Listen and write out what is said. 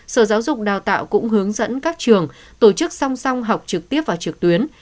sở giáo dục đào tạo cũng hướng dẫn các trường tổ chức song song học trực tiếp và trực tuyến